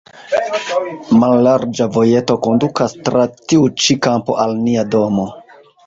Mallarĝa vojeto kondukas tra tiu ĉi kampo al nia domo.